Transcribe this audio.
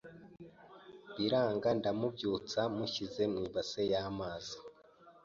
biranga ndamubyutsa mushyize mu ibase y’amazi